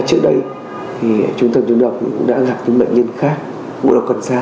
trước đấy trung tâm chống độc đã gặp những bệnh nhân khác ngộ độc cần sa